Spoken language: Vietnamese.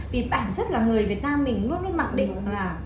vì bản chất là người việt nam mình luôn luôn mặc định là